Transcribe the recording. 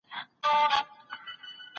فيلسوف وايي چي انسانان يو له بل سره تړلي دي.